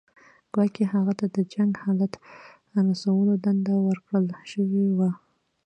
ګواکې هغه ته د جنګ حالت ته رسولو دنده ورکړل شوې وه.